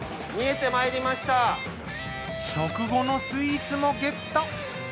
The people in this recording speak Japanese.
食後のスイーツもゲット。